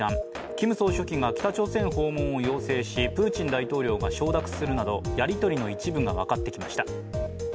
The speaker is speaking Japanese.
キム総書記が北朝鮮訪問を要請し、プーチン大統領が承諾するなどやり取りの一部が分かってきました。